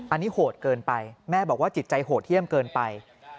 อันนี้โหดเกินไปแม่บอกว่าจิตใจโหดเยี่ยมเกินไป